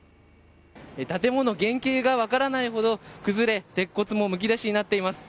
建物、原形が分からないほど崩れ鉄骨もむき出しになっています。